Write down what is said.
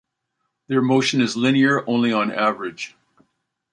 Their motion is linear only on average.